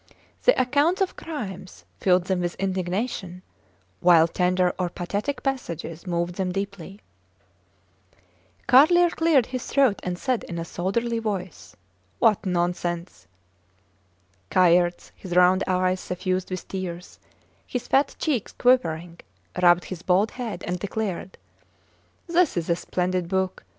The accounts of crimes filled them with indignation, while tender or pathetic passages moved them deeply. Carlier cleared his throat and said in a soldierly voice, What nonsense! Kayerts, his round eyes suffused with tears, his fat cheeks quivering, rubbed his bald head, and declared. This is a splendid book.